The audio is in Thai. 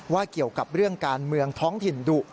เกี่ยวกับเรื่องการเมืองท้องถิ่นดุ